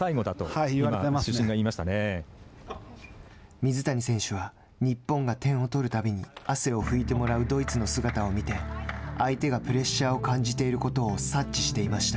水谷選手は日本が点を取るたびに汗を拭いてもらうドイツの姿を見て相手がプレッシャーを感じていることを察知していました。